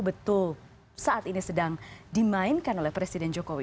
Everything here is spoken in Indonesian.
betul saat ini sedang dimainkan oleh presiden jokowi